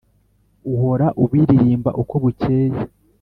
Uhora ubiririmba uko bukeye.